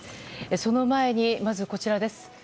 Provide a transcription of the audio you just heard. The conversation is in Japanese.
その前に、まずこちらです。